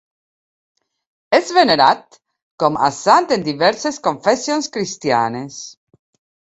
És venerat com a sant en diverses confessions cristianes.